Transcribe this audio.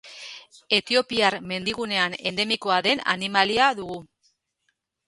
Etiopiar mendigunean endemikoa den animalia dugu.